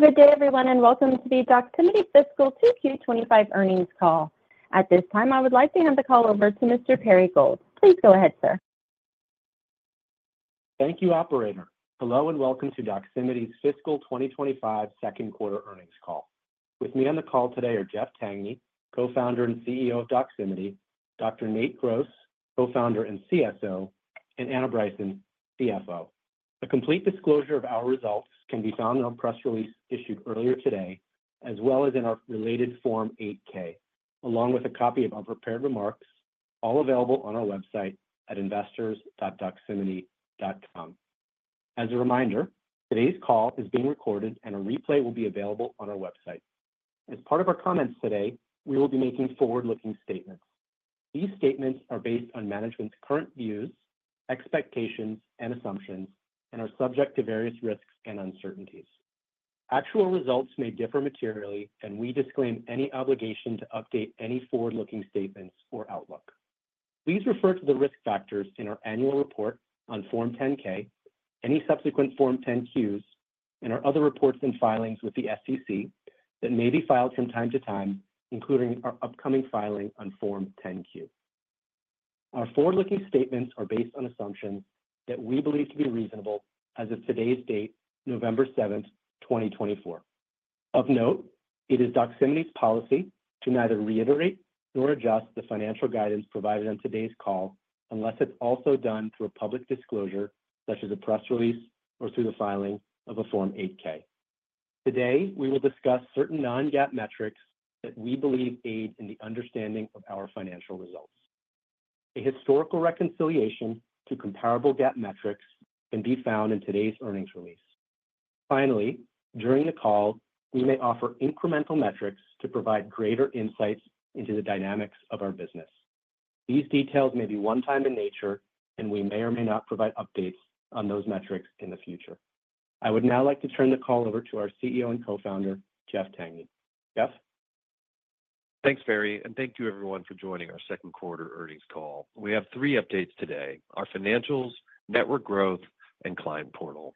Good day, everyone, and welcome to the Doximity Fiscal 2Q25 Earnings Call. At this time, I would like to hand the call over to Mr. Perry Gold. Please go ahead, sir. Thank you, Operator. Hello and welcome to Doximity's Fiscal 2025 Second Quarter Earnings Call. With me on the call today are Jeff Tangney, Co-founder and CEO of Doximity, Dr. Nate Gross, Co-founder and CSO, and Anna Bryson, CFO. A complete disclosure of our results can be found on the press release issued earlier today, as well as in our related Form 8-K, along with a copy of our prepared remarks, all available on our website at investors.doximity.com. As a reminder, today's call is being recorded, and a replay will be available on our website. As part of our comments today, we will be making forward-looking statements. These statements are based on management's current views, expectations, and assumptions, and are subject to various risks and uncertainties. Actual results may differ materially, and we disclaim any obligation to update any forward-looking statements or outlook. Please refer to the risk factors in our annual report on Form 10-K, any subsequent Form 10-Qs, and our other reports and filings with the SEC that may be filed from time to time, including our upcoming filing on Form 10-Q. Our forward-looking statements are based on assumptions that we believe to be reasonable as of today's date, November 7th, 2024. Of note, it is Doximity's policy to neither reiterate nor adjust the financial guidance provided on today's call unless it's also done through a public disclosure, such as a press release or through the filing of a Form 8-K. Today, we will discuss certain non-GAAP metrics that we believe aid in the understanding of our financial results. A historical reconciliation to comparable GAAP metrics can be found in today's earnings release. Finally, during the call, we may offer incremental metrics to provide greater insights into the dynamics of our business. These details may be one-time in nature, and we may or may not provide updates on those metrics in the future. I would now like to turn the call over to our CEO and Co-founder, Jeff Tangney. Jeff? Thanks, Perry, and thank you, everyone, for joining our second quarter earnings call. We have three updates today: our financials, network growth, and Client Portal.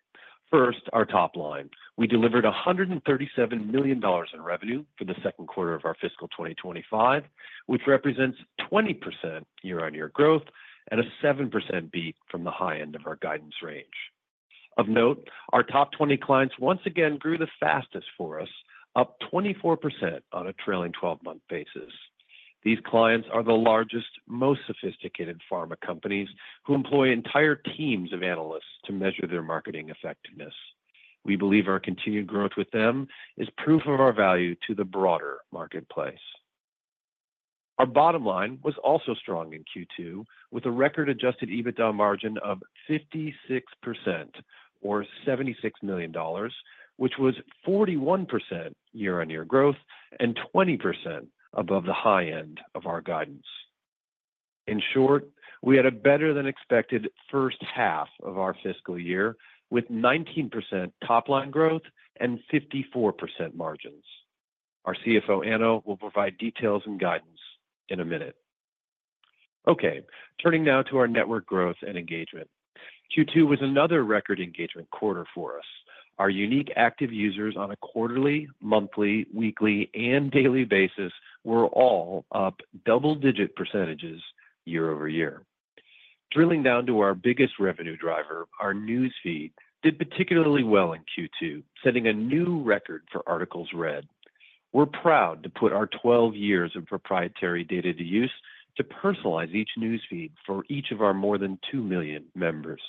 First, our top line. We delivered $137 million in revenue for the second quarter of our fiscal 2025, which represents 20% year-on-year growth and a 7% beat from the high end of our guidance range. Of note, our top 20 clients once again grew the fastest for us, up 24% on a trailing 12-month basis. These clients are the largest, most sophisticated pharma companies who employ entire teams of analysts to measure their marketing effectiveness. We believe our continued growth with them is proof of our value to the broader marketplace. Our bottom line was also strong in Q2, with a record adjusted EBITDA margin of 56%, or $76 million, which was 41% year-on-year growth and 20% above the high end of our guidance. In short, we had a better-than-expected first half of our fiscal year, with 19% top-line growth and 54% margins. Our CFO, Anna, will provide details and guidance in a minute. Okay, turning now to our network growth and engagement. Q2 was another record engagement quarter for us. Our unique active users on a quarterly, monthly, weekly, and daily basis were all up double-digit percentages year-over-year. Drilling down to our biggest revenue driver, our Newsfeed, did particularly well in Q2, setting a new record for articles read. We're proud to put our 12 years of proprietary data to use to personalize each Newsfeed for each of our more than 2 million members.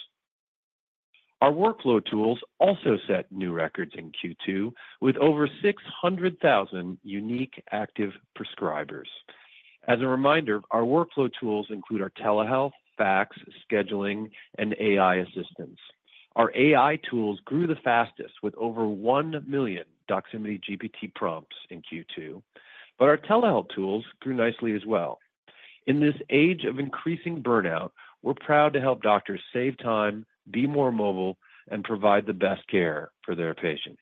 Our workflow tools also set new records in Q2, with over 600,000 unique active prescribers. As a reminder, our workflow tools include our telehealth, fax, scheduling, and AI assistance. Our AI tools grew the fastest, with over one million Doximity GPT prompts in Q2, but our telehealth tools grew nicely as well. In this age of increasing burnout, we're proud to help doctors save time, be more mobile, and provide the best care for their patients.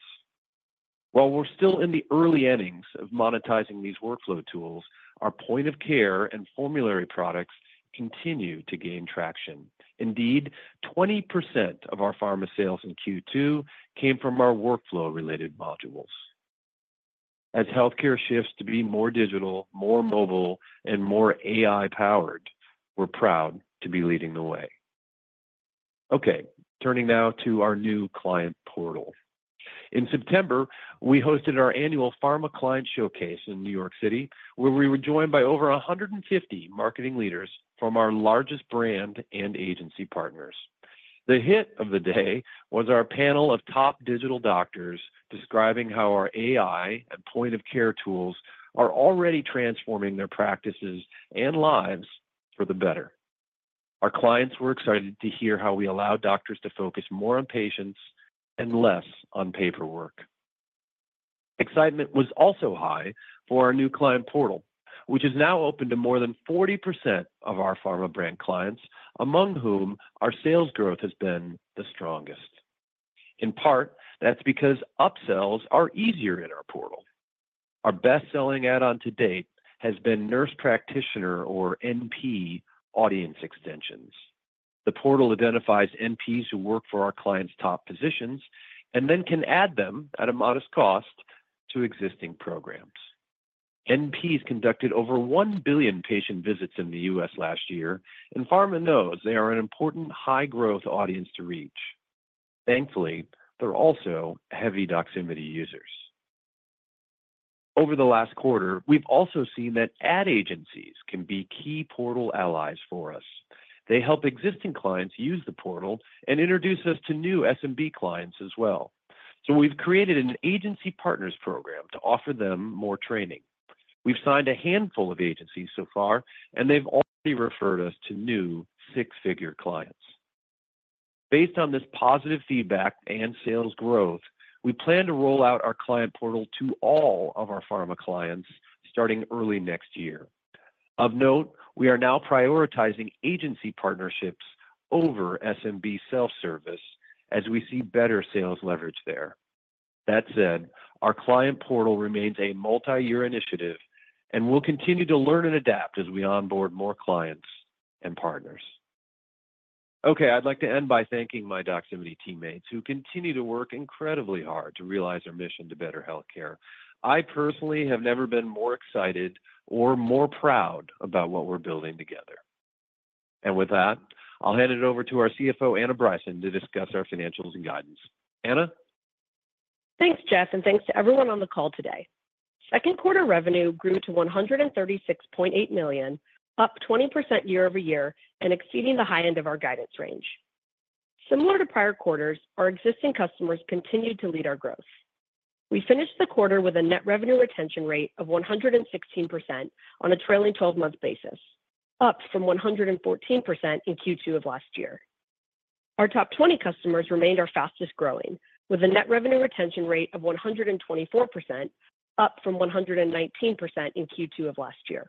While we're still in the early innings of monetizing these workflow tools, our point-of-care and formulary products continue to gain traction. Indeed, 20% of our pharma sales in Q2 came from our workflow-related modules. As healthcare shifts to be more digital, more mobile, and more AI-powered, we're proud to be leading the way. Okay, turning now to our new Client Portal. In September, we hosted our annual Pharma Client Showcase in New York City, where we were joined by over 150 marketing leaders from our largest brand and agency partners. The hit of the day was our panel of top digital doctors describing how our AI and point-of-care tools are already transforming their practices and lives for the better. Our clients were excited to hear how we allow doctors to focus more on patients and less on paperwork. Excitement was also high for our new Client Portal, which is now open to more than 40% of our pharma brand clients, among whom our sales growth has been the strongest. In part, that's because upsells are easier in our portal. Our best-selling add-on to date has been nurse practitioner, or NP, audience extensions. The portal identifies NPs who work for our clients' top positions and then can add them at a modest cost to existing programs. NPs conducted over 1 billion patient visits in the U.S. last year, and pharma knows they are an important high-growth audience to reach. Thankfully, they're also heavy Doximity users. Over the last quarter, we've also seen that ad agencies can be key portal allies for us. They help existing clients use the portal and introduce us to new SMB clients as well. So we've created an Agency Partners Program to offer them more training. We've signed a handful of agencies so far, and they've already referred us to new six-figure clients. Based on this positive feedback and sales growth, we plan to roll out our Client Portal to all of our pharma clients starting early next year. Of note, we are now prioritizing agency partnerships over SMB self-service as we see better sales leverage there. That said, our Client Portal remains a multi-year initiative, and we'll continue to learn and adapt as we onboard more clients and partners. Okay, I'd like to end by thanking my Doximity teammates who continue to work incredibly hard to realize our mission to better healthcare. I personally have never been more excited or more proud about what we're building together. And with that, I'll hand it over to our CFO, Anna Bryson, to discuss our financials and guidance. Anna? Thanks, Jeff, and thanks to everyone on the call today. Second quarter revenue grew to $136.8 million, up 20% year-over-year and exceeding the high end of our guidance range. Similar to prior quarters, our existing customers continued to lead our growth. We finished the quarter with a net revenue retention rate of 116% on a trailing 12-month basis, up from 114% in Q2 of last year. Our top 20 customers remained our fastest growing, with a net revenue retention rate of 124%, up from 119% in Q2 of last year.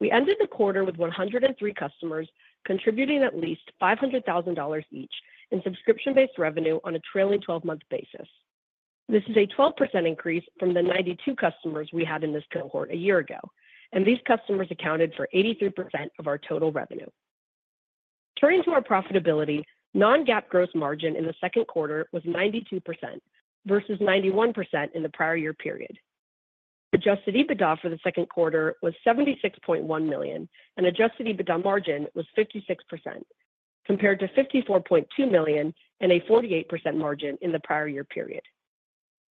We ended the quarter with 103 customers contributing at least $500,000 each in subscription-based revenue on a trailing 12-month basis. This is a 12% increase from the 92 customers we had in this cohort a year ago, and these customers accounted for 83% of our total revenue. Turning to our profitability, non-GAAP gross margin in the second quarter was 92% versus 91% in the prior year period. Adjusted EBITDA for the second quarter was $76.1 million, and adjusted EBITDA margin was 56%, compared to $54.2 million and a 48% margin in the prior year period.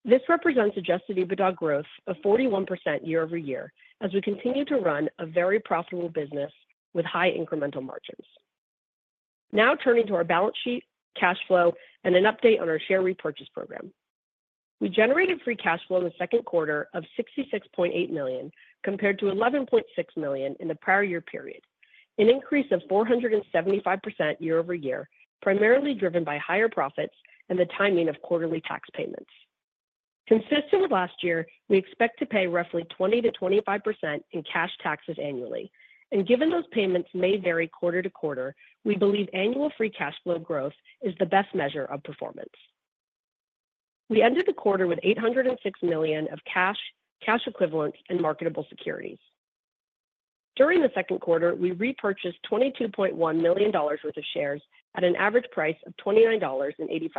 This represents adjusted EBITDA growth of 41% year-over-year as we continue to run a very profitable business with high incremental margins. Now turning to our balance sheet, cash flow, and an update on our share repurchase program. We generated free cash flow in the second quarter of $66.8 million, compared to $11.6 million in the prior year period, an increase of 475% year-over-year, primarily driven by higher profits and the timing of quarterly tax payments. Consistent with last year, we expect to pay roughly 20%-25% in cash taxes annually, and given those payments may vary quarter to quarter, we believe annual free cash flow growth is the best measure of performance. We ended the quarter with 806 million of cash, cash equivalents, and marketable securities. During the second quarter, we repurchased $22.1 million worth of shares at an average price of $29.85.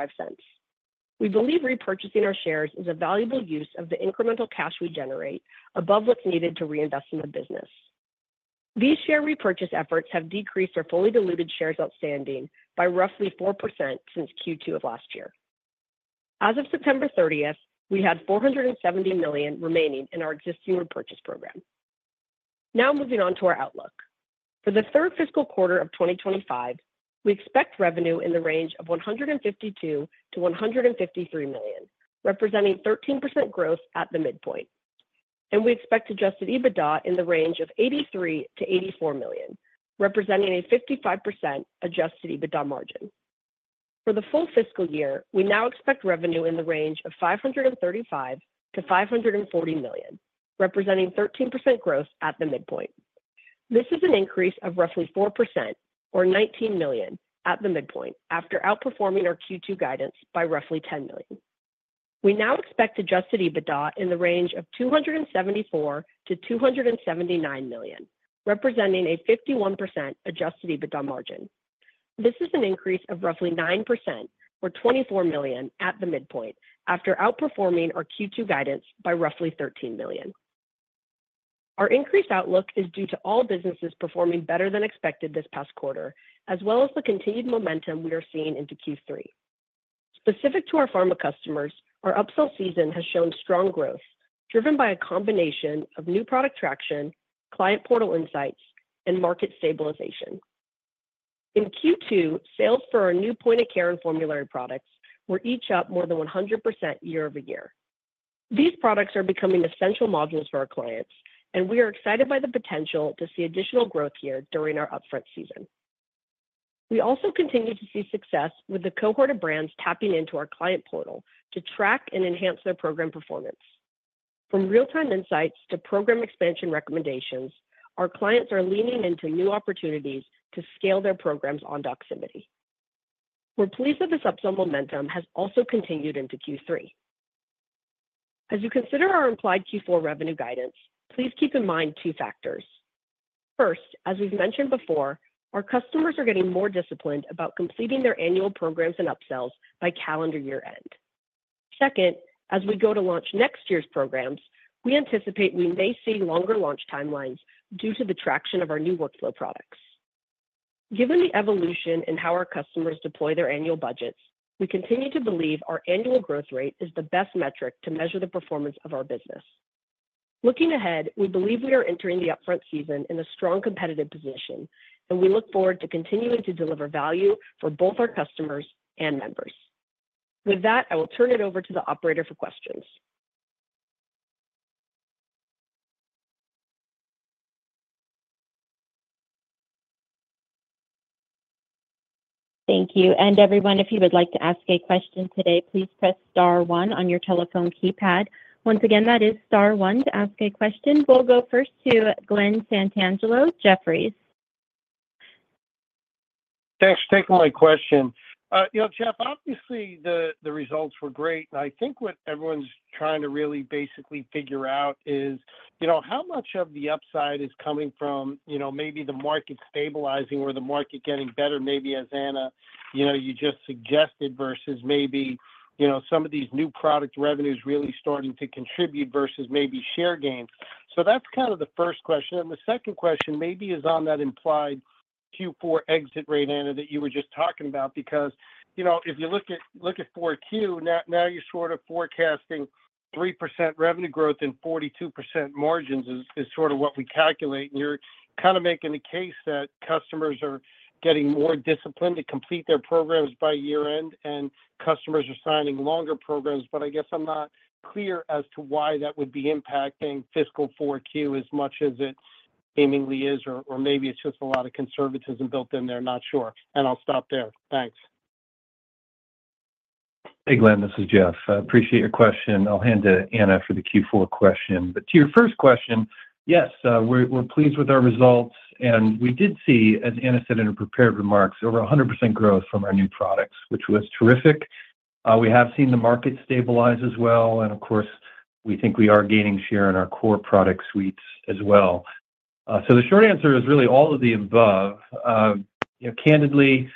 We believe repurchasing our shares is a valuable use of the incremental cash we generate above what's needed to reinvest in the business. These share repurchase efforts have decreased our fully diluted shares outstanding by roughly 4% since Q2 of last year. As of September 30, we had $470 million remaining in our existing repurchase program. Now moving on to our outlook. For the third fiscal quarter of 2025, we expect revenue in the range of $152-$153 million, representing 13% growth at the midpoint. We expect Adjusted EBITDA in the range of $83-$84 million, representing a 55% Adjusted EBITDA margin. For the full fiscal year, we now expect revenue in the range of $535-$540 million, representing 13% growth at the midpoint. This is an increase of roughly 4%, or $19 million at the midpoint, after outperforming our Q2 guidance by roughly $10 million. We now expect Adjusted EBITDA in the range of $274-$279 million, representing a 51% Adjusted EBITDA margin. This is an increase of roughly 9%, or $24 million at the midpoint, after outperforming our Q2 guidance by roughly $13 million. Our increased outlook is due to all businesses performing better than expected this past quarter, as well as the continued momentum we are seeing into Q3. Specific to our pharma customers, our upsell season has shown strong growth, driven by a combination of new product traction, Client Portal insights, and market stabilization. In Q2, sales for our new point-of-care and formulary products were each up more than 100% year-over-year. These products are becoming essential modules for our clients, and we are excited by the potential to see additional growth here during our upfront season. We also continue to see success with the cohort of brands tapping into our Client Portal to track and enhance their program performance. From real-time insights to program expansion recommendations, our clients are leaning into new opportunities to scale their programs on Doximity. We're pleased that this upsell momentum has also continued into Q3. As you consider our implied Q4 revenue guidance, please keep in mind two factors. First, as we've mentioned before, our customers are getting more disciplined about completing their annual programs and upsells by calendar year-end. Second, as we go to launch next year's programs, we anticipate we may see longer launch timelines due to the traction of our new workflow products. Given the evolution in how our customers deploy their annual budgets, we continue to believe our annual growth rate is the best metric to measure the performance of our business. Looking ahead, we believe we are entering the upfront season in a strong competitive position, and we look forward to continuing to deliver value for both our customers and members. With that, I will turn it over to the operator for questions. Thank you, and everyone, if you would like to ask a question today, please press star one on your telephone keypad. Once again, that is star one to ask a question. We'll go first to Glen Santangelo, Jefferies. Thanks for taking my question. You know, Jeff, obviously the results were great, and I think what everyone's trying to really basically figure out is, you know, how much of the upside is coming from, you know, maybe the market stabilizing or the market getting better, maybe as Anna, you know, you just suggested, versus maybe, you know, some of these new product revenues really starting to contribute versus maybe share gains. So that's kind of the first question. And the second question maybe is on that implied Q4 exit rate, Anna, that you were just talking about, because, you know, if you look at 4Q, now you're sort of forecasting 3% revenue growth and 42% margins is sort of what we calculate. And you're kind of making the case that customers are getting more disciplined to complete their programs by year-end, and customers are signing longer programs. But I guess I'm not clear as to why that would be impacting fiscal 4Q as much as it seemingly is, or maybe it's just a lot of conservatism built in there. Not sure. And I'll stop there. Thanks. Hey, Glenn, this is Jeff. I appreciate your question. I'll hand it to Anna for the Q4 question. But to your first question, yes, we're pleased with our results. And we did see, as Anna said in her prepared remarks, over 100% growth from our new products, which was terrific. We have seen the market stabilize as well. And of course, we think we are gaining share in our core product suites as well. So the short answer is really all of the above. You know, candidly,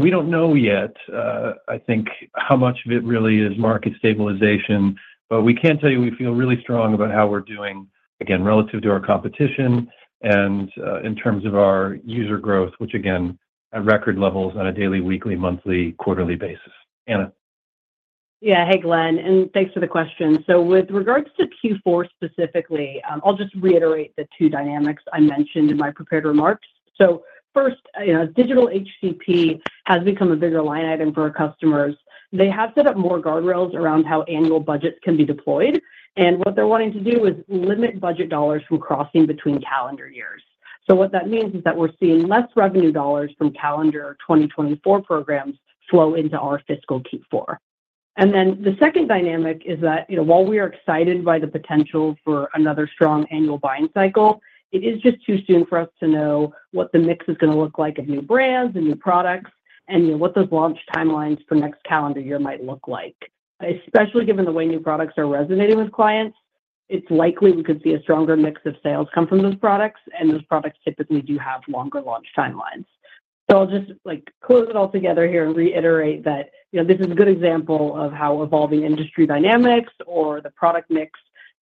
we don't know yet, I think, how much of it really is market stabilization, but we can tell you we feel really strong about how we're doing, again, relative to our competition and in terms of our user growth, which, again, are record levels on a daily, weekly, monthly, quarterly basis. Anna. Yeah, hey, Glenn, and thanks for the question. So with regards to Q4 specifically, I'll just reiterate the two dynamics I mentioned in my prepared remarks. So first, you know, digital HCP has become a bigger line item for our customers. They have set up more guardrails around how annual budgets can be deployed, and what they're wanting to do is limit budget dollars from crossing between calendar years. So what that means is that we're seeing less revenue dollars from calendar 2024 programs flow into our fiscal Q4. And then the second dynamic is that, you know, while we are excited by the potential for another strong annual buying cycle, it is just too soon for us to know what the mix is going to look like of new brands and new products and, you know, what those launch timelines for next calendar year might look like. Especially given the way new products are resonating with clients, it's likely we could see a stronger mix of sales come from those products, and those products typically do have longer launch timelines. So I'll just, like, close it all together here and reiterate that, you know, this is a good example of how evolving industry dynamics or the product mix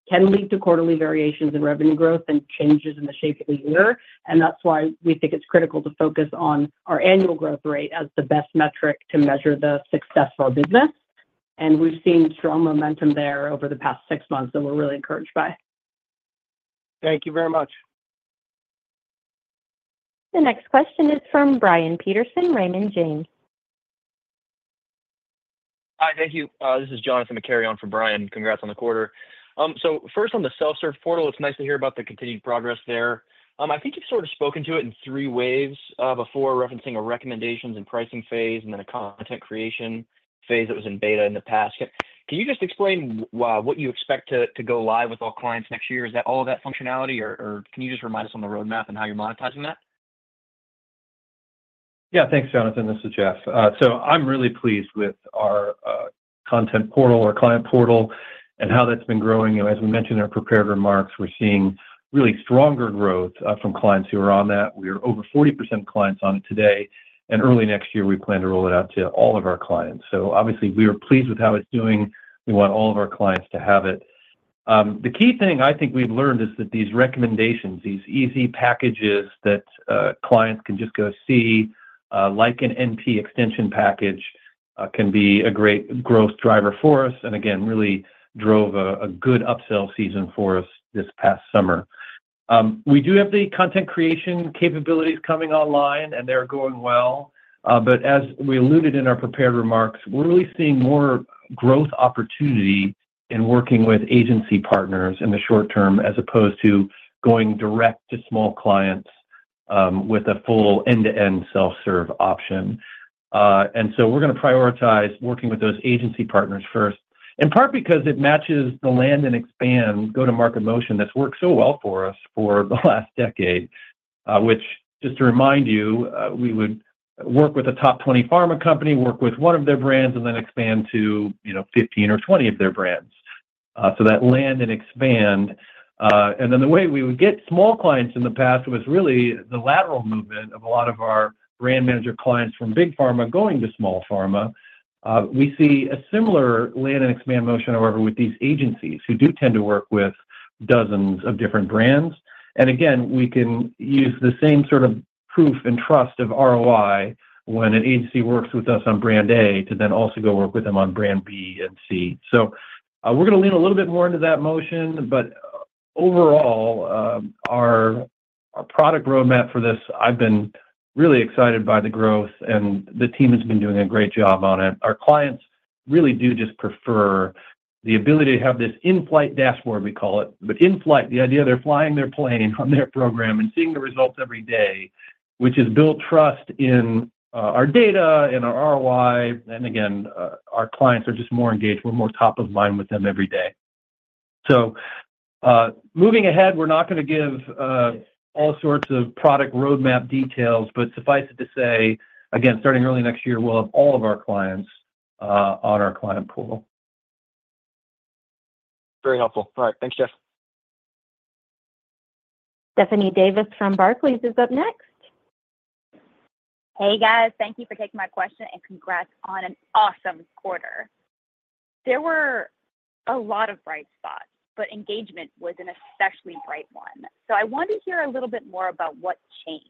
can lead to quarterly variations in revenue growth and changes in the shape of the year. And that's why we think it's critical to focus on our annual growth rate as the best metric to measure the success of our business. And we've seen strong momentum there over the past six months that we're really encouraged by. Thank you very much. The next question is from Brian Peterson, Raymond James. Hi, thank you. This is Jonathan McCary on for Brian. Congrats on the quarter. So first, on the self-serve portal, it's nice to hear about the continued progress there. I think you've sort of spoken to it in three waves before referencing a recommendations and pricing phase and then a content creation phase that was in beta in the past. Can you just explain what you expect to go live with all clients next year? Is that all of that functionality, or can you just remind us on the roadmap and how you're monetizing that? Yeah, thanks, Jonathan. This is Jeff, so I'm really pleased with our Client Portal, our Client Portal, and how that's been growing, and as we mentioned in our prepared remarks, we're seeing really stronger growth from clients who are on that. We are over 40% clients on it today, and early next year we plan to roll it out to all of our clients, so obviously, we are pleased with how it's doing. We want all of our clients to have it. The key thing I think we've learned is that these recommendations, these easy packages that clients can just go see, like an NP extension package, can be a great growth driver for us and, again, really drove a good upsell season for us this past summer. We do have the content creation capabilities coming online, and they're going well. But as we alluded in our prepared remarks, we're really seeing more growth opportunity in working with agency partners in the short term as opposed to going direct to small clients with a full end-to-end self-serve option. And so we're going to prioritize working with those agency partners first, in part because it matches the land and expand go to market motion that's worked so well for us for the last decade, which, just to remind you, we would work with a top 20 pharma company, work with one of their brands, and then expand to, you know, 15 or 20 of their brands. So that land and expand. And then the way we would get small clients in the past was really the lateral movement of a lot of our brand manager clients from big pharma going to small pharma. We see a similar land and expand motion, however, with these agencies who do tend to work with dozens of different brands. And again, we can use the same sort of proof and trust of ROI when an agency works with us on brand A to then also go work with them on brand B and C. So we're going to lean a little bit more into that motion. But overall, our product roadmap for this, I've been really excited by the growth, and the team has been doing a great job on it. Our clients really do just prefer the ability to have this in-flight dashboard, we call it. But in-flight, the idea they're flying their plane on their program and seeing the results every day, which has built trust in our data and our ROI. And again, our clients are just more engaged. We're more top of mind with them every day. So moving ahead, we're not going to give all sorts of product roadmap details, but suffice it to say, again, starting early next year, we'll have all of our clients on our Client Portal. Very helpful. All right. Thanks, Jeff. Stephanie Davis from Barclays is up next. Hey, guys. Thank you for taking my question and congrats on an awesome quarter. There were a lot of bright spots, but engagement was an especially bright one. So I want to hear a little bit more about what changed.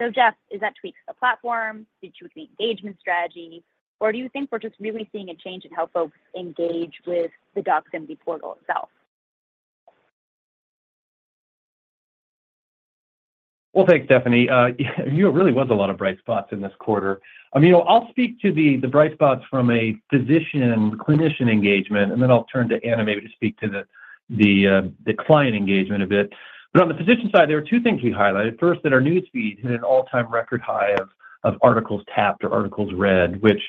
So, Jeff, is that tweaks to the platform? Did you tweak the engagement strategy? Or do you think we're just really seeing a change in how folks engage with the Doximity portal itself? Thanks, Stephanie. You know, it really was a lot of bright spots in this quarter. I mean, I'll speak to the bright spots from a physician and clinician engagement, and then I'll turn to Anna maybe to speak to the client engagement a bit. On the physician side, there were two things we highlighted. First, that our Newsfeed hit an all-time record high of articles tapped or articles read, which,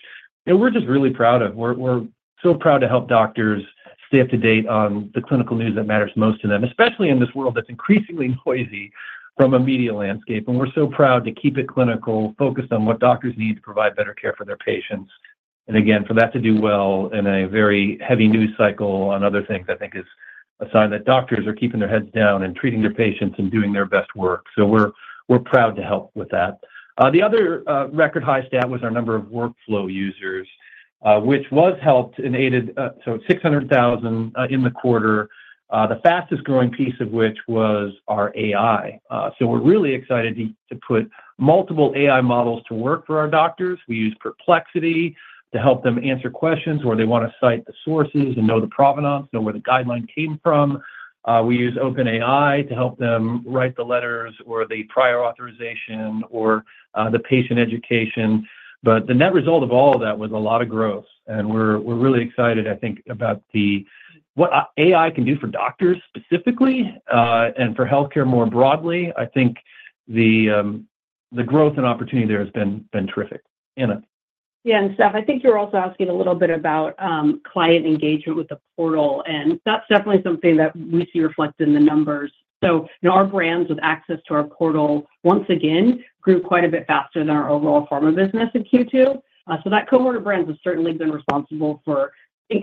you know, we're just really proud of. We're so proud to help doctors stay up to date on the clinical news that matters most to them, especially in this world that's increasingly noisy from a media landscape. We're so proud to keep it clinical, focused on what doctors need to provide better care for their patients. Again, for that to do well in a very heavy news cycle on other things, I think is a sign that doctors are keeping their heads down and treating their patients and doing their best work. So we're proud to help with that. The other record high stat was our number of workflow users, which was helped and aided, so 600,000 in the quarter, the fastest growing piece of which was our AI. So we're really excited to put multiple AI models to work for our doctors. We use Perplexity to help them answer questions where they want to cite the sources and know the provenance, know where the guideline came from. We use OpenAI to help them write the letters or the prior authorization or the patient education. But the net result of all of that was a lot of growth. And we're really excited, I think, about what AI can do for doctors specifically and for healthcare more broadly. I think the growth and opportunity there has been terrific. Anna. Yeah, and Steph, I think you're also asking a little bit about client engagement with the portal, and that's definitely something that we see reflected in the numbers. So, you know, our brands with access to our portal, once again, grew quite a bit faster than our overall pharma business in Q2. So that cohort of brands has certainly been responsible for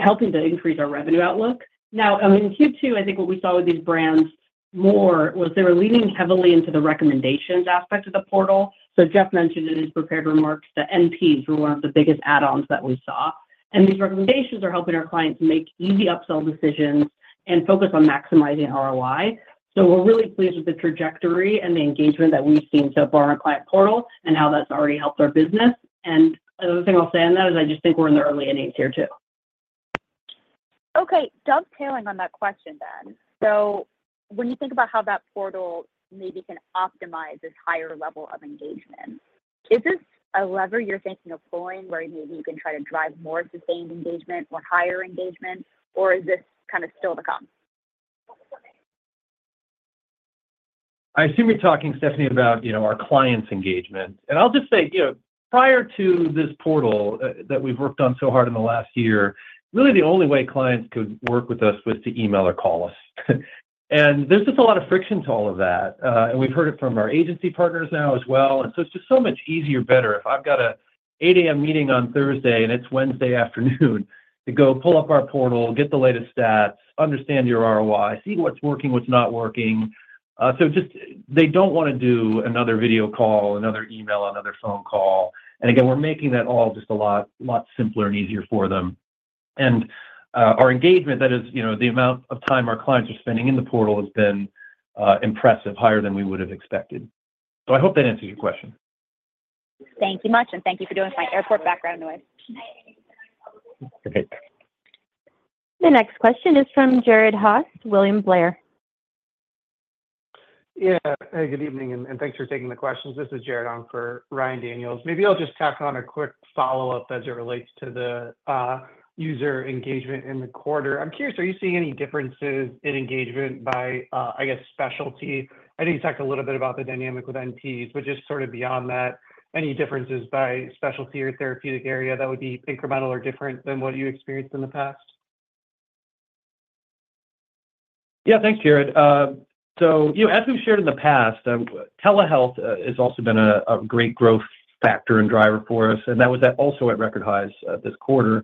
helping to increase our revenue outlook. Now, in Q2, I think what we saw with these brands more was they were leaning heavily into the recommendations aspect of the portal. So Jeff mentioned in his prepared remarks that NPs were one of the biggest add-ons that we saw. And these recommendations are helping our clients make easy upsell decisions and focus on maximizing ROI. So we're really pleased with the trajectory and the engagement that we've seen so far on our Client Portal and how that's already helped our business. And another thing I'll say on that is I just think we're in the early innings here too. Okay. Dovetailing on that question then. So when you think about how that portal maybe can optimize this higher level of engagement, is this a lever you're thinking of pulling where maybe you can try to drive more sustained engagement or higher engagement, or is this kind of still to come? I assume you're talking, Stephanie, about, you know, our clients' engagement. And I'll just say, you know, prior to this portal that we've worked on so hard in the last year, really the only way clients could work with us was to email or call us. And there's just a lot of friction to all of that. And we've heard it from our agency partners now as well. And so it's just so much easier, better if I've got an 8:00 A.M. meeting on Thursday, and it's Wednesday afternoon, to go pull up our portal, get the latest stats, understand your ROI, see what's working, what's not working. So just they don't want to do another video call, another email, another phone call. And again, we're making that all just a lot simpler and easier for them. Our engagement, that is, you know, the amount of time our clients are spending in the portal has been impressive, higher than we would have expected. I hope that answers your question. Thank you much, and thank you for doing my airport background noise. Okay. The next question is from Jared Haase, William Blair. Yeah. Hey, good evening, and thanks for taking the questions. This is Jared on for Ryan Daniels. Maybe I'll just tack on a quick follow-up as it relates to the user engagement in the quarter. I'm curious, are you seeing any differences in engagement by, I guess, specialty? I know you talked a little bit about the dynamic with NPs, but just sort of beyond that, any differences by specialty or therapeutic area that would be incremental or different than what you experienced in the past? Yeah, thanks, Jared. So, you know, as we've shared in the past, telehealth has also been a great growth factor and driver for us, and that was also at record highs this quarter.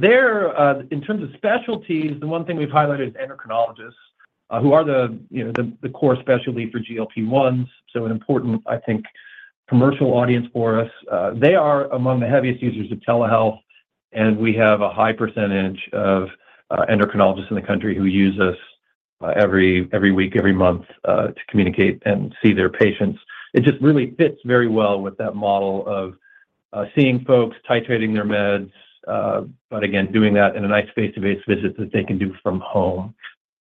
There, in terms of specialties, the one thing we've highlighted is endocrinologists, who are the, you know, the core specialty for GLP-1s, so an important, I think, commercial audience for us. They are among the heaviest users of telehealth, and we have a high percentage of endocrinologists in the country who use us every week, every month to communicate and see their patients. It just really fits very well with that model of seeing folks, titrating their meds, but again, doing that in a nice face-to-face visit that they can do from home.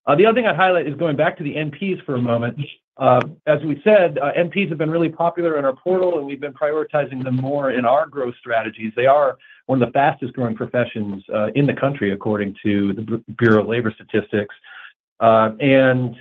The other thing I'd highlight is going back to the NPs for a moment. As we said, NPs have been really popular in our portal, and we've been prioritizing them more in our growth strategies. They are one of the fastest growing professions in the country, according to the Bureau of Labor Statistics, and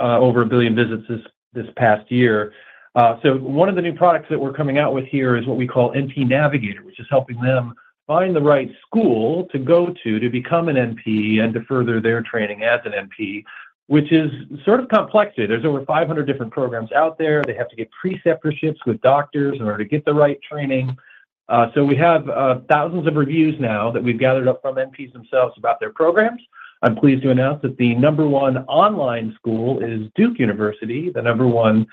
over a billion visits this past year. One of the new products that we're coming out with here is what we call NP Navigator, which is helping them find the right school to go to to become an NP and to further their training as an NP, which is sort of complex. There's over 500 different programs out there. They have to get preceptorships with doctors in order to get the right training. So we have thousands of reviews now that we've gathered up from NPs themselves about their programs. I'm pleased to announce that the number one online school is Duke University. The number one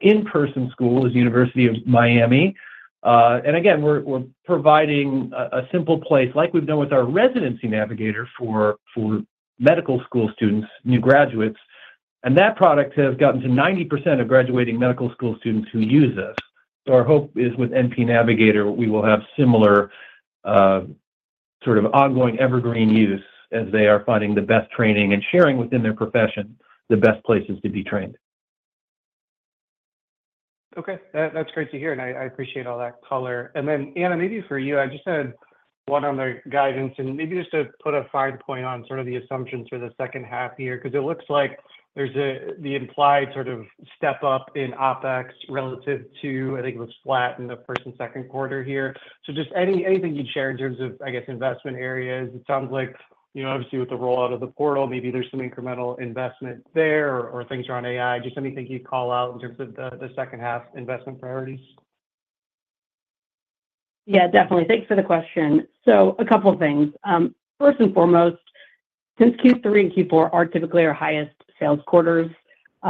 in-person school is University of Miami and again, we're providing a simple place, like we've done with our Residency Navigator for medical school students, new graduates and that product has gotten to 90% of graduating medical school students who use us. Our hope is with NP Navigator, we will have similar sort of ongoing evergreen use as they are finding the best training and sharing within their profession the best places to be trained. Okay. That's great to hear, and I appreciate all that color. And then, Anna, maybe for you, I just had one other guidance, and maybe just to put a fine point on sort of the assumptions for the second half here, because it looks like there's the implied sort of step up in OpEx relative to, I think it was flat in the first and second quarter here. So just anything you'd share in terms of, I guess, investment areas. It sounds like, you know, obviously with the rollout of the portal, maybe there's some incremental investment there or things around AI. Just anything you'd call out in terms of the second half investment priorities? Yeah, definitely. Thanks for the question. So a couple of things. First and foremost, since Q3 and Q4 are typically our highest sales quarters,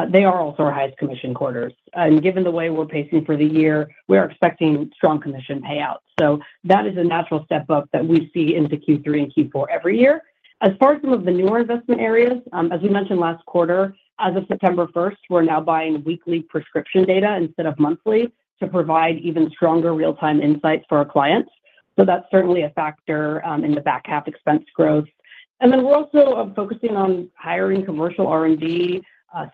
they are also our highest commission quarters. And given the way we're pacing for the year, we are expecting strong commission payouts. So that is a natural step up that we see into Q3 and Q4 every year. As far as some of the newer investment areas, as we mentioned last quarter, as of September 1st, we're now buying weekly prescription data instead of monthly to provide even stronger real-time insights for our clients. So that's certainly a factor in the back half expense growth. And then we're also focusing on hiring commercial R&D,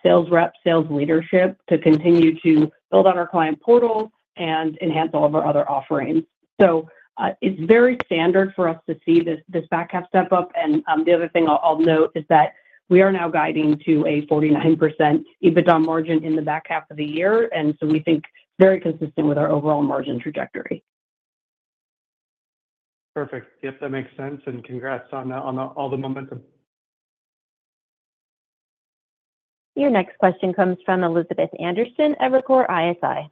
sales rep, sales leadership to continue to build out our Client Portal and enhance all of our other offerings. So it's very standard for us to see this back half step up. And the other thing I'll note is that we are now guiding to a 49% EBITDA margin in the back half of the year. And so we think it's very consistent with our overall margin trajectory. Perfect. Yep, that makes sense. And congrats on all the momentum. Your next question comes from Elizabeth Anderson at Evercore ISI.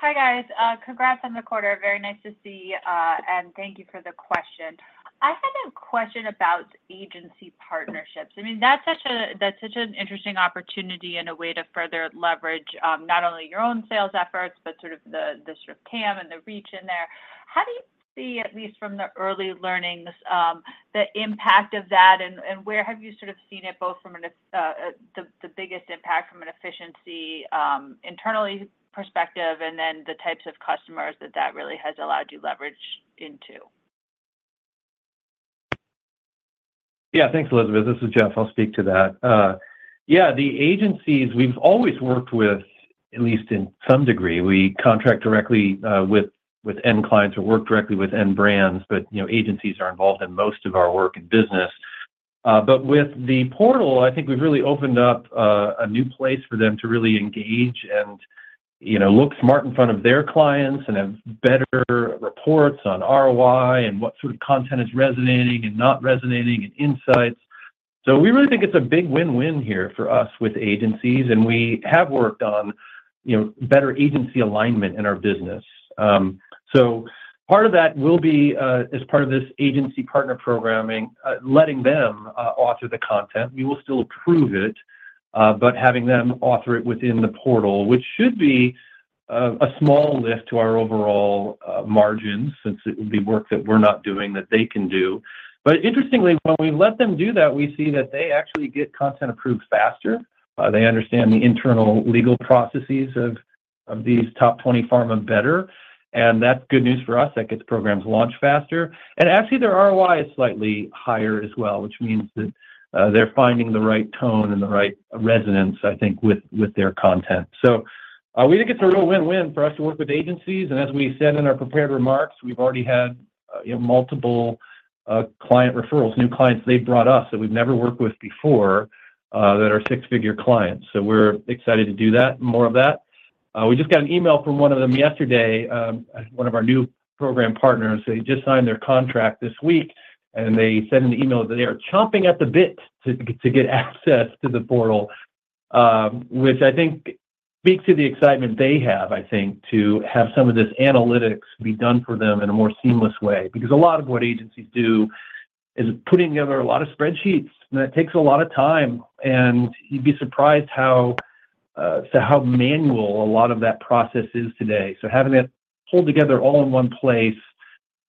Hi, guys. Congrats on the quarter. Very nice to see you, and thank you for the question. I had a question about agency partnerships. I mean, that's such an interesting opportunity and a way to further leverage not only your own sales efforts, but sort of the CAM and the reach in there. How do you see, at least from the early learnings, the impact of that? And where have you sort of seen it, both from the biggest impact from an efficiency internally perspective and then the types of customers that that really has allowed you leverage into? Yeah, thanks, Elizabeth. This is Jeff. I'll speak to that. Yeah, the agencies, we've always worked with, at least in some degree. We contract directly with end clients or work directly with end brands, but, you know, agencies are involved in most of our work and business. But with the portal, I think we've really opened up a new place for them to really engage and, you know, look smart in front of their clients and have better reports on ROI and what sort of content is resonating and not resonating and insights. So we really think it's a big win-win here for us with agencies, and we have worked on, you know, better agency alignment in our business. So part of that will be, as part of this agency partner programming, letting them author the content. We will still approve it, but having them author it within the portal, which should be a small lift to our overall margins since it would be work that we're not doing that they can do. But interestingly, when we let them do that, we see that they actually get content approved faster. They understand the internal legal processes of these top 20 pharma better. And that's good news for us. That gets programs launched faster. And actually, their ROI is slightly higher as well, which means that they're finding the right tone and the right resonance, I think, with their content. So we think it's a real win-win for us to work with agencies. And as we said in our prepared remarks, we've already had, you know, multiple client referrals, new clients they've brought us that we've never worked with before that are six-figure clients. We're excited to do that and more of that. We just got an email from one of them yesterday, one of our new program partners. They just signed their contract this week, and they said in the email that they are chomping at the bit to get access to the portal, which I think speaks to the excitement they have, I think, to have some of this analytics be done for them in a more seamless way. Because a lot of what agencies do is putting together a lot of spreadsheets, and that takes a lot of time. You'd be surprised how manual a lot of that process is today. Having it pulled together all in one place,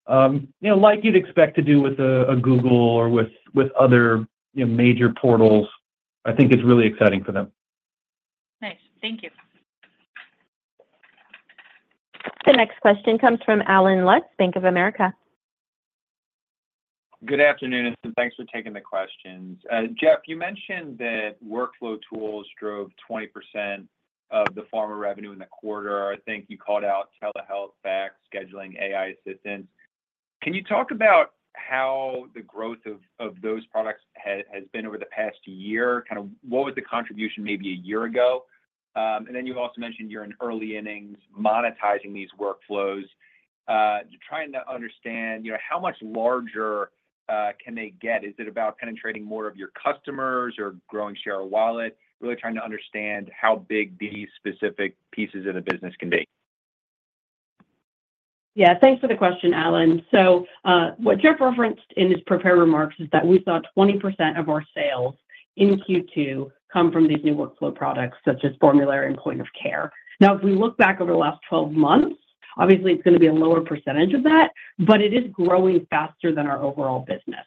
you know, like you'd expect to do with a Google or with other major portals, I think it's really exciting for them. Nice. Thank you. The next question comes from Allen Lutz, Bank of America. Good afternoon, and thanks for taking the questions. Jeff, you mentioned that workflow tools drove 20% of the pharma revenue in the quarter. I think you called out telehealth, fax, scheduling, AI assistance. Can you talk about how the growth of those products has been over the past year? Kind of what was the contribution maybe a year ago? And then you also mentioned you're in early innings monetizing these workflows, trying to understand, you know, how much larger can they get? Is it about penetrating more of your customers or growing share of wallet? Really trying to understand how big these specific pieces of the business can be. Yeah, thanks for the question, Allen. So what Jeff referenced in his prepared remarks is that we saw 20% of our sales in Q2 come from these new workflow products such as formulary and point of care. Now, if we look back over the last 12 months, obviously it's going to be a lower percentage of that, but it is growing faster than our overall business.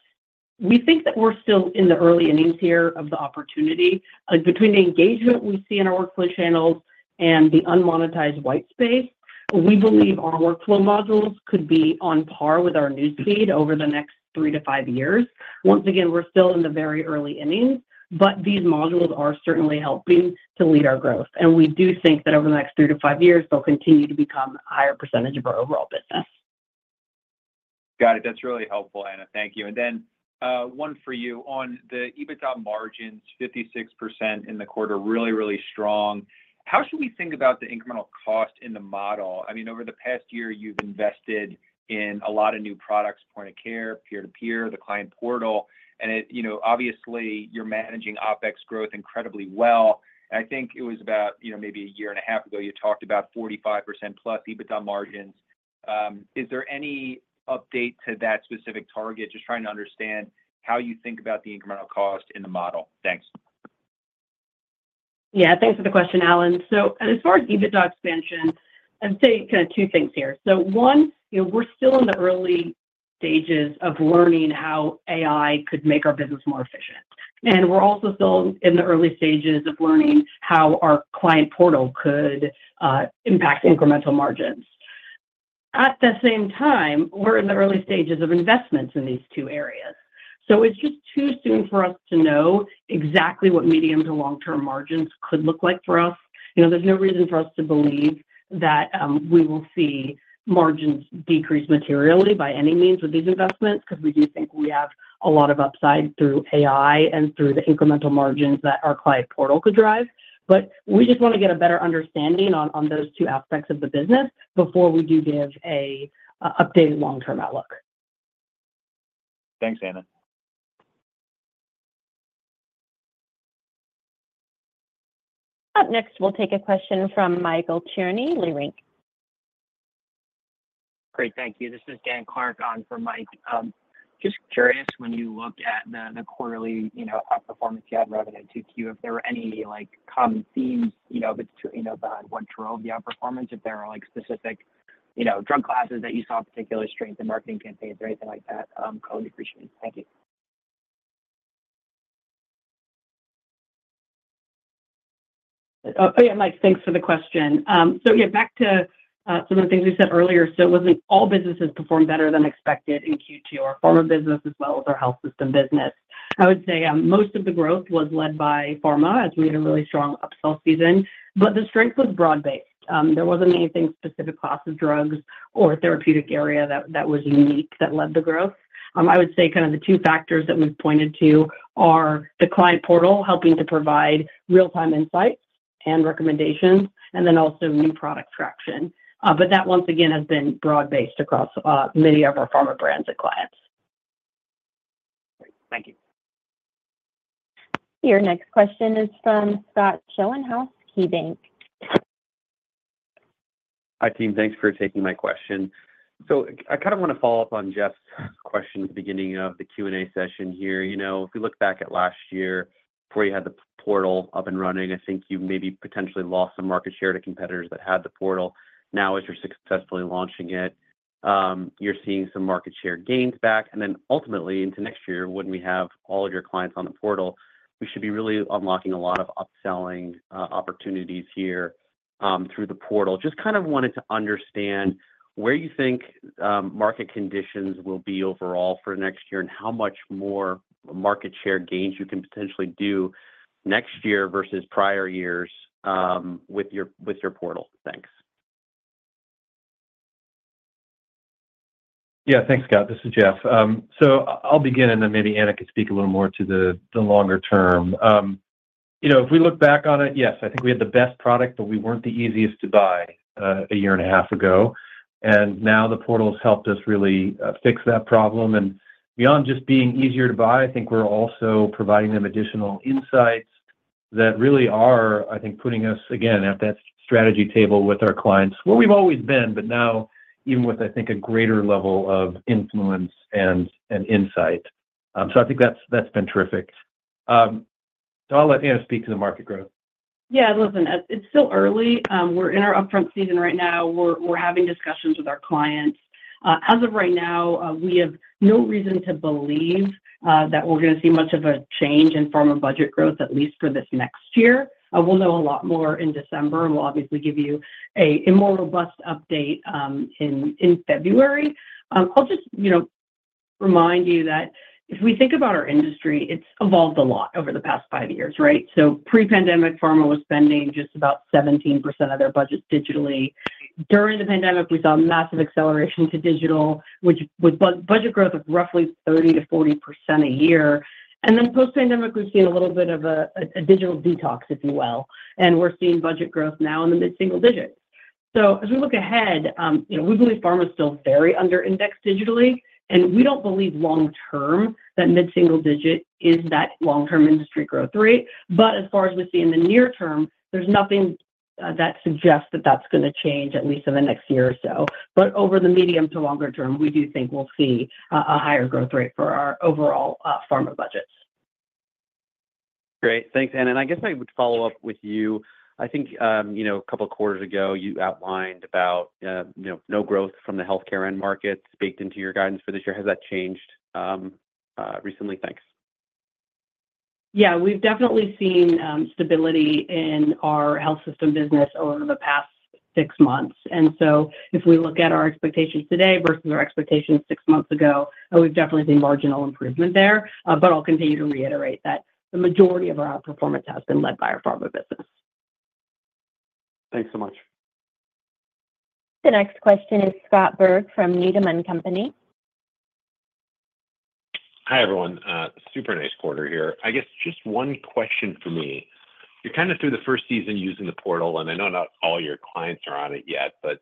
We think that we're still in the early innings here of the opportunity. Between the engagement we see in our workflow channels and the unmonetized white space, we believe our workflow modules could be on par with our news feed over the next three to five years. Once again, we're still in the very early innings, but these modules are certainly helping to lead our growth. We do think that over the next three-to-five years, they'll continue to become a higher percentage of our overall business. Got it. That's really helpful, Anna. Thank you, and then one for you on the EBITDA margins, 56% in the quarter, really, really strong. How should we think about the incremental cost in the model? I mean, over the past year, you've invested in a lot of new products, point of care, peer-to-peer, the Client Portal. And, you know, obviously, you're managing OpEx growth incredibly well, and I think it was about, you know, maybe a year and a half ago, you talked about 45% plus EBITDA margins. Is there any update to that specific target? Just trying to understand how you think about the incremental cost in the model. Thanks. Yeah, thanks for the question, Allen. So as far as EBITDA expansion, I'd say kind of two things here. So one, you know, we're still in the early stages of learning how AI could make our business more efficient. And we're also still in the early stages of learning how our Client Portal could impact incremental margins. At the same time, we're in the early stages of investments in these two areas. So it's just too soon for us to know exactly what medium to long-term margins could look like for us. You know, there's no reason for us to believe that we will see margins decrease materially by any means with these investments, because we do think we have a lot of upside through AI and through the incremental margins that our Client Portal could drive. But we just want to get a better understanding on those two aspects of the business before we do give an updated long-term outlook. Thanks, Anna. Up next, we'll take a question from Michael Cherny, Leerink. Great. Thank you. This is Dan Clark on for Mike. Just curious, when you looked at the quarterly, you know, performance you had revenue to Q2, if there were any, like, common themes, you know, behind what drove the outperformance, if there are, like, specific, you know, drug classes that you saw particular strength in marketing campaigns or anything like that? Could appreciate it. Thank you. Oh yeah, Mike, thanks for the question. So yeah, back to some of the things we said earlier. So, all businesses performed better than expected in Q2, our pharma business as well as our health system business. I would say most of the growth was led by pharma as we had a really strong upsell season, but the strength was broad-based. There wasn't any specific class of drugs or therapeutic area that was unique that led the growth. I would say kind of the two factors that we've pointed to are the Client Portal helping to provide real-time insights and recommendations, and then also new product traction. But that, once again, has been broad-based across many of our pharma brands and clients. Great. Thank you. Your next question is from Scott Schoenhaus, KeyBanc. Hi, team. Thanks for taking my question. So I kind of want to follow up on Jeff's question at the beginning of the Q&A session here. You know, if we look back at last year, before you had the portal up and running, I think you maybe potentially lost some market share to competitors that had the portal. Now, as you're successfully launching it, you're seeing some market share gains back. And then ultimately, into next year, when we have all of your clients on the portal, we should be really unlocking a lot of upselling opportunities here through the portal. Just kind of wanted to understand where you think market conditions will be overall for next year and how much more market share gains you can potentially do next year versus prior years with your portal. Thanks. Yeah, thanks, Scott. This is Jeff. So I'll begin, and then maybe Anna could speak a little more to the longer term. You know, if we look back on it, yes, I think we had the best product, but we weren't the easiest to buy a year and a half ago. And now the portal has helped us really fix that problem. And beyond just being easier to buy, I think we're also providing them additional insights that really are, I think, putting us, again, at that strategy table with our clients, where we've always been, but now even with, I think, a greater level of influence and insight. So I think that's been terrific. So I'll let Anna speak to the market growth. Yeah, listen, it's still early. We're in our upfront season right now. We're having discussions with our clients. As of right now, we have no reason to believe that we're going to see much of a change in pharma budget growth, at least for this next year. We'll know a lot more in December, and we'll obviously give you a more robust update in February. I'll just, you know, remind you that if we think about our industry, it's evolved a lot over the past five years, right, so pre-pandemic, pharma was spending just about 17% of their budgets digitally. During the pandemic, we saw a massive acceleration to digital, which was budget growth of roughly 30%-40% a year, and then post-pandemic, we've seen a little bit of a digital detox, if you will, and we're seeing budget growth now in the mid-single digits. So as we look ahead, you know, we believe pharma is still very under-indexed digitally. And we don't believe long-term that mid-single digit is that long-term industry growth rate. But as far as we see in the near term, there's nothing that suggests that that's going to change, at least in the next year or so. But over the medium to longer term, we do think we'll see a higher growth rate for our overall pharma budgets. Great. Thanks, Anna. And I guess I would follow up with you. I think, you know, a couple of quarters ago, you outlined about, you know, no growth from the healthcare end markets baked into your guidance for this year. Has that changed recently? Thanks. Yeah, we've definitely seen stability in our health system business over the past six months. And so if we look at our expectations today versus our expectations six months ago, we've definitely seen marginal improvement there. But I'll continue to reiterate that the majority of our outperformance has been led by our pharma business. Thanks so much. The next question is Scott Berg from Needham & Company. Hi everyone. Super nice quarter here. I guess just one question for me. You're kind of through the first season using the portal, and I know not all your clients are on it yet, but,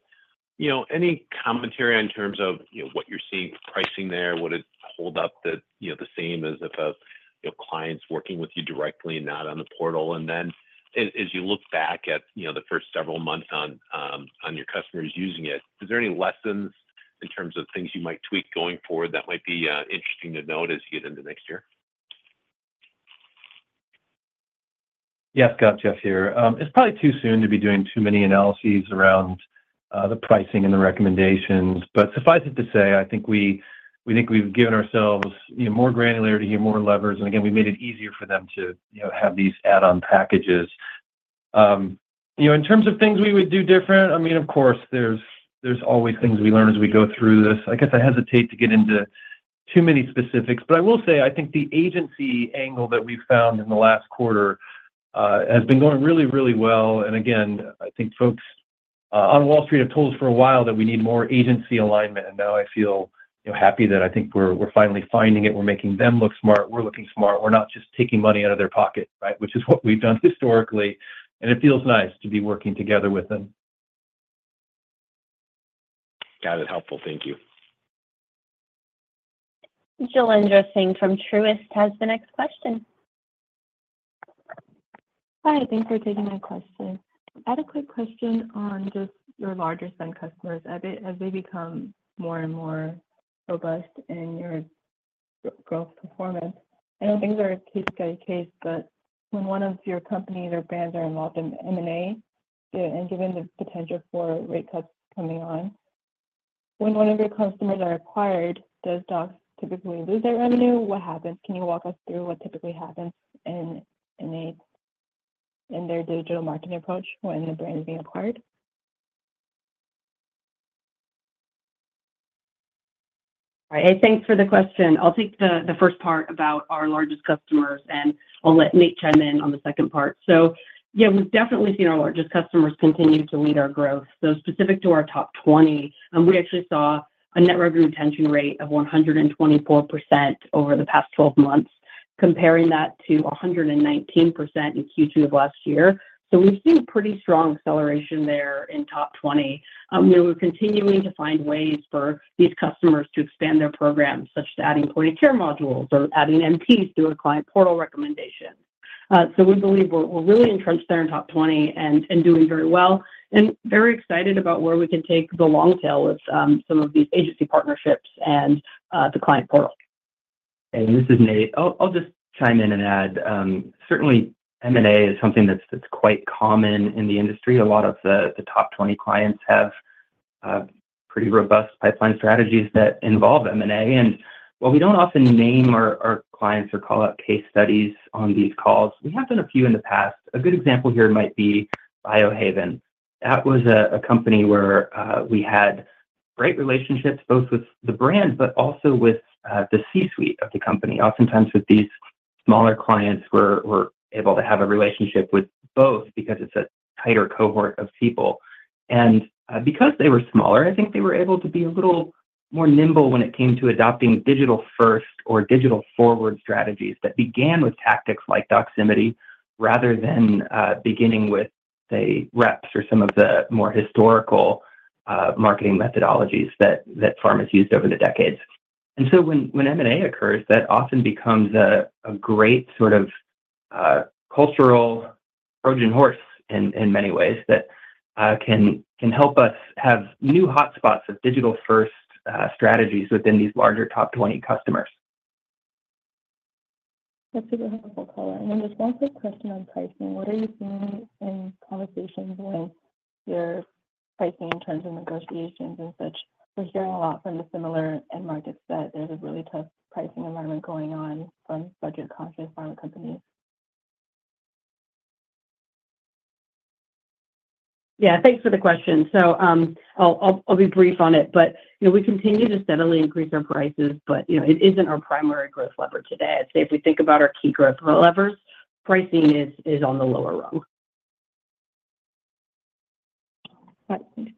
you know, any commentary in terms of, you know, what you're seeing for pricing there? Would it hold up the, you know, the same as if a, you know, client's working with you directly, not on the portal? And then as you look back at, you know, the first several months on your customers using it, is there any lessons in terms of things you might tweak going forward that might be interesting to note as you get into next year? Yeah, Scott. Jeff here. It's probably too soon to be doing too many analyses around the pricing and the recommendations, but suffice it to say, I think we think we've given ourselves, you know, more granularity, more levers, and again, we made it easier for them to, you know, have these add-on packages. You know, in terms of things we would do different, I mean, of course, there's always things we learn as we go through this. I guess I hesitate to get into too many specifics, but I will say I think the agency angle that we've found in the last quarter has been going really, really well, and again, I think folks on Wall Street have told us for a while that we need more agency alignment, and now I feel, you know, happy that I think we're finally finding it. We're making them look smart. We're looking smart. We're not just taking money out of their pocket, right, which is what we've done historically. And it feels nice to be working together with them. Got it. Helpful. Thank you. Jailendra Singh from Truist has the next question. Hi. Thanks for taking my question. I had a quick question on just your largest-end customers as they become more and more robust in your growth performance. I know things are case by case, but when one of your companies or brands are involved in M&A and given the potential for rate cuts coming on, when one of your customers are acquired, does Dox typically lose their revenue? What happens? Can you walk us through what typically happens in their digital marketing approach when the brand is being acquired? All right. Hey, thanks for the question. I'll take the first part about our largest customers, and I'll let Nate chime in on the second part. So yeah, we've definitely seen our largest customers continue to lead our growth. So specific to our top 20, we actually saw a net revenue retention rate of 124% over the past 12 months, comparing that to 119% in Q2 of last year. So we've seen a pretty strong acceleration there in top 20. You know, we're continuing to find ways for these customers to expand their programs, such as adding point-of-care modules or adding NPs through a Client Portal recommendation. So we believe we're really entrenched there in top 20 and doing very well and very excited about where we can take the long tail with some of these agency partnerships and the Client Portal. Hey, this is Nate. I'll just chime in and add, certainly M&A is something that's quite common in the industry. A lot of the top 20 clients have pretty robust pipeline strategies that involve M&A, and while we don't often name our clients or call out case studies on these calls, we have done a few in the past. A good example here might be Biohaven. That was a company where we had great relationships both with the brand but also with the C-Suite of the company. Oftentimes with these smaller clients, we're able to have a relationship with both because it's a tighter cohort of people. And because they were smaller, I think they were able to be a little more nimble when it came to adopting digital-first or digital-forward strategies that began with tactics like Doximity rather than beginning with, say, reps or some of the more historical marketing methodologies that pharma has used over the decades. And so when M&A occurs, that often becomes a great sort of cultural Trojan horse in many ways that can help us have new hotspots of digital-first strategies within these larger top 20 customers. That's super helpful color. And just one quick question on pricing. What are you seeing in conversations when you're pricing in terms of negotiations and such? We're hearing a lot from the similar end markets that there's a really tough pricing environment going on from budget-conscious pharma companies. Yeah, thanks for the question. So I'll be brief on it, but, you know, we continue to steadily increase our prices, but, you know, it isn't our primary growth lever today. I'd say if we think about our key growth levers, pricing is on the lower rung. That's good.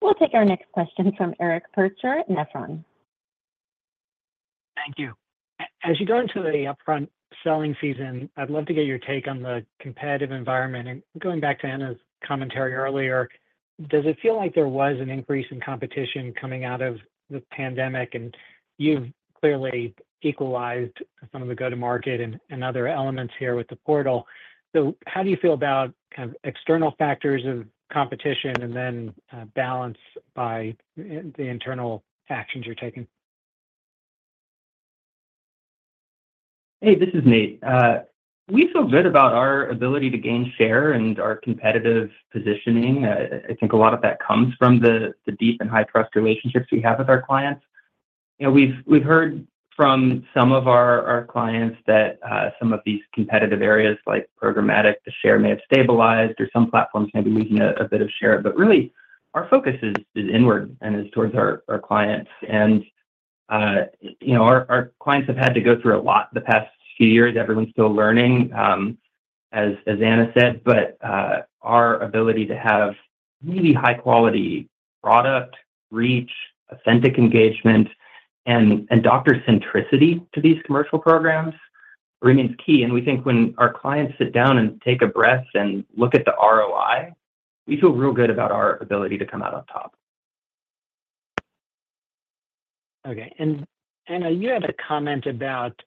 We'll take our next question from Eric Percher at Nephron. Thank you. As you go into the upfront selling season, I'd love to get your take on the competitive environment. And going back to Anna's commentary earlier, does it feel like there was an increase in competition coming out of the pandemic? And you've clearly equalized some of the go-to-market and other elements here with the portal. So how do you feel about kind of external factors of competition and then balance by the internal actions you're taking? Hey, this is Nate. We feel good about our ability to gain share and our competitive positioning. I think a lot of that comes from the deep and high-trust relationships we have with our clients. You know, we've heard from some of our clients that some of these competitive areas like programmatic, the share may have stabilized, or some platforms may be losing a bit of share. But really, our focus is inward and is towards our clients. And, you know, our clients have had to go through a lot the past few years. Everyone's still learning, as Anna said. But our ability to have really high-quality product reach, authentic engagement, and doctor-centricity to these commercial programs remains key. And we think when our clients sit down and take a breath and look at the ROI, we feel real good about our ability to come out on top. Okay. And Anna, you had a comment about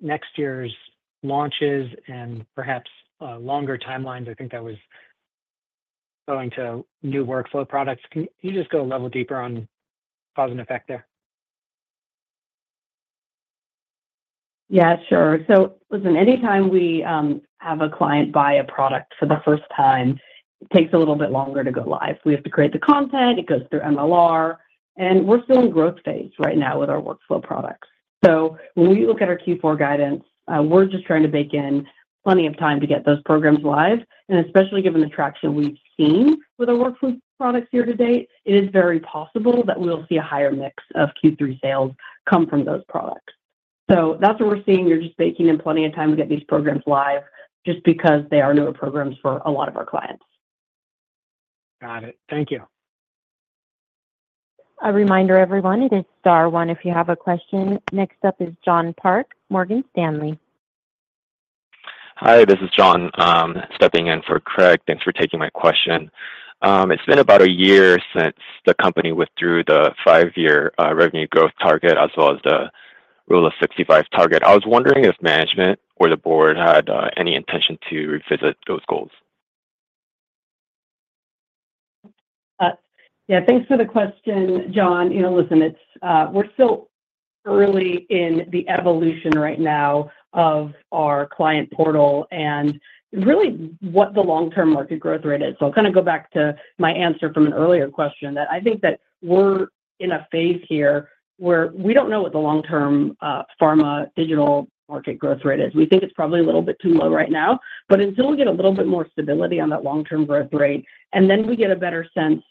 next year's launches and perhaps longer timelines. I think that was going to new workflow products. Can you just go a level deeper on cause and effect there? Yeah, sure. So listen, anytime we have a client buy a product for the first time, it takes a little bit longer to go live. We have to create the content. It goes through MLR. And we're still in growth phase right now with our workflow products. So when we look at our Q4 guidance, we're just trying to bake in plenty of time to get those programs live. And especially given the traction we've seen with our workflow products year to date, it is very possible that we'll see a higher mix of Q3 sales come from those products. So that's what we're seeing. You're just baking in plenty of time to get these programs live just because they are newer programs for a lot of our clients. Got it. Thank you. A reminder, everyone, it is Star One if you have a question. Next up is John Park, Morgan Stanley. Hi, this is John stepping in for Craig. Thanks for taking my question. It's been about a year since the company withdrew the five-year revenue growth target as well as the Rule of 65 target. I was wondering if management or the board had any intention to revisit those goals? Yeah, thanks for the question, John. You know, listen, we're still early in the evolution right now of our Client Portal and really what the long-term market growth rate is. So I'll kind of go back to my answer from an earlier question that I think that we're in a phase here where we don't know what the long-term pharma digital market growth rate is. We think it's probably a little bit too low right now. But until we get a little bit more stability on that long-term growth rate, and then we get a better sense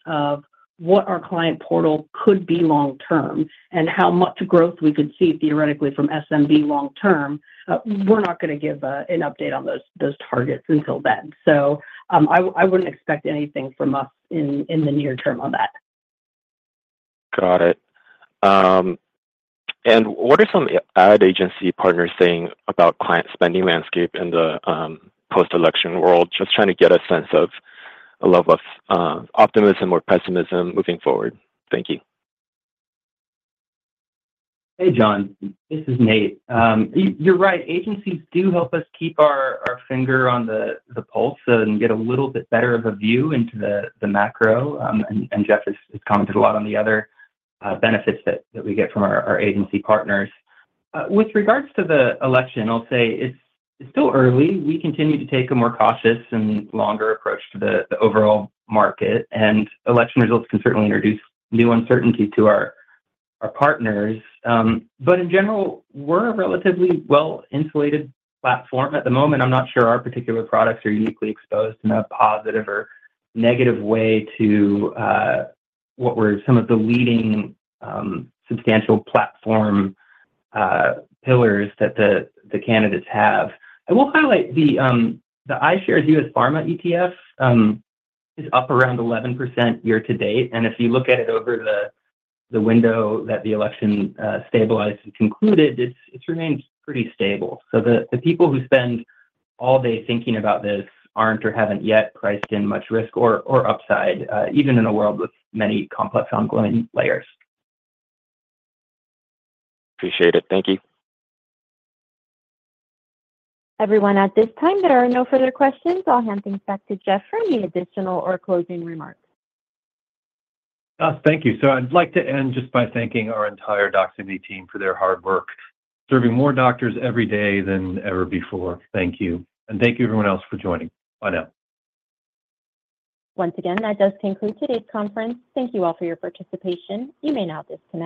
of what our Client Portal could be long-term and how much growth we could see theoretically from SMB long-term, we're not going to give an update on those targets until then. So I wouldn't expect anything from us in the near term on that. Got it. And what are some ad agency partners saying about client spending landscape in the post-election world? Just trying to get a sense of a level of optimism or pessimism moving forward. Thank you. Hey, John. This is Nate. You're right. Agencies do help us keep our finger on the pulse and get a little bit better of a view into the macro. And Jeff has commented a lot on the other benefits that we get from our agency partners. With regards to the election, I'll say it's still early. We continue to take a more cautious and longer approach to the overall market. And election results can certainly introduce new uncertainty to our partners. But in general, we're a relatively well-insulated platform at the moment. I'm not sure our particular products are uniquely exposed in a positive or negative way to what were some of the leading substantial platform pillars that the candidates have. I will highlight the iShares U.S. Pharmaceuticals ETF is up around 11% year-to-date. And if you look at it over the window that the election stabilized and concluded, it's remained pretty stable. So the people who spend all day thinking about this aren't or haven't yet priced in much risk or upside, even in a world with many complex ongoing layers. Appreciate it. Thank you. Everyone, at this time, there are no further questions. I'll hand things back to Jeff for any additional or closing remarks. Thank you. So I'd like to end just by thanking our entire Doximity team for their hard work, serving more doctors every day than ever before. Thank you. And thank you, everyone else, for joining. Bye now. Once again, that does conclude today's conference. Thank you all for your participation. You may now disconnect.